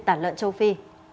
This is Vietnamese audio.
tả lợn châu phi